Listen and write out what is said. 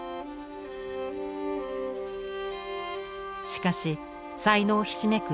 しかし才能ひしめく